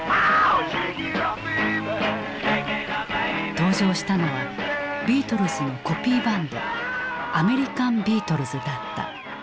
登場したのはビートルズのコピーバンド「アメリカン・ビートルズ」だった。